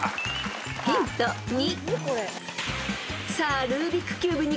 ［ヒント２］